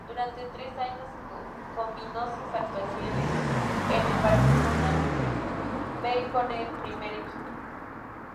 Durante tres años combinó sus actuaciones en el Barcelona B con el primer equipo.